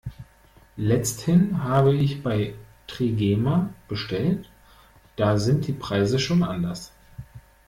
Letzthin habe ich bei Trigema bestellt, da sind die Preise schon anders.